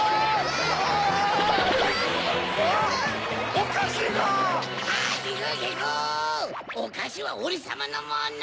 おかしはオレさまのもの！